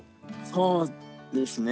そうですね。